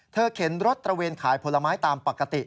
เข็นรถตระเวนขายผลไม้ตามปกติ